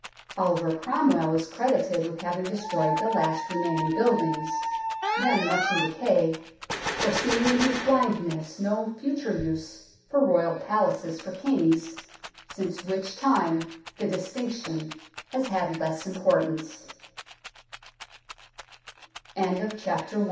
Oliver Cromwell is credited with having destroyed the last remaining buildings, then much in decay, foreseeing in his blindness no future use for Royal Palaces for kings, since which time the distinction has had less im